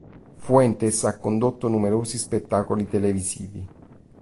Fuentes ha condotto numerosi spettacoli televisivi.